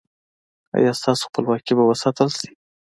ایا ستاسو خپلواکي به وساتل شي؟